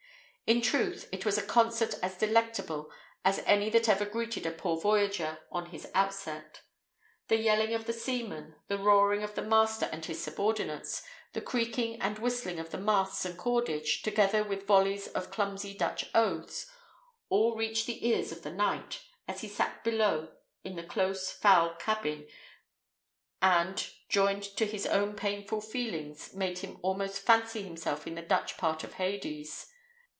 In truth, it was a concert as delectable as any that ever greeted a poor voyager on his outset: the yelling of the seamen, the roaring of the master and his subordinates, the creaking and whistling of the masts and cordage, together with volleys of clumsy Dutch oaths, all reached the ears of the knight, as he sat below in the close, foul cabin, and, joined to his own painful feelings, made him almost fancy himself in the Dutch part of Hades.